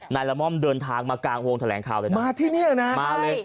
ละม่อมเดินทางมากลางวงแถลงข่าวเลยนะมาที่นี่นะมาเลย